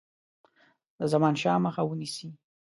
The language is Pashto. د زمانشاه مخه ونیسي.